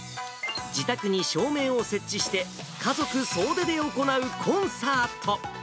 自宅に照明を設置して、家族総出で行うコンサート。